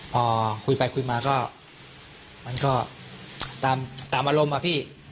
พอคุยไปคุยมาก็มันก็ตามอารมณ์อะพี่